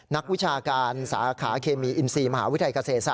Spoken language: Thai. นักวิชาการสาขาเคมีอิมซีมหาวิทยากษเศษฯ